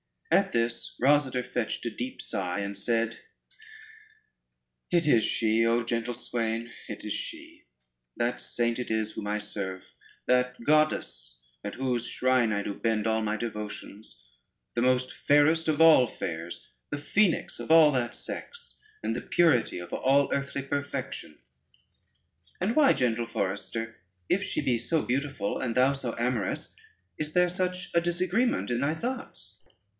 At this Rosader fetched a deep sigh, and said: "It is she, O gentle swain, it is she; that saint it is whom I serve, that goddess at whose shrine I do bend all my devotions; the most fairest of all fairs, the phoenix of all that sex, and the purity of all earthly perfection." "And why, gentle forester, if she be so beautiful, and thou so amorous, is there such a disagreement in thy thoughts?